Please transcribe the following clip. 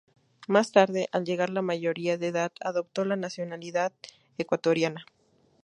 Más tarde, al llegar a la mayoría de edad adoptó la nacionalidad ecuatoriana.